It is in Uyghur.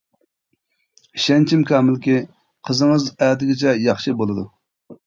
ئىشەنچىم كامىلكى، قىزىڭىز ئەتىگىچە ياخشى بولىدۇ.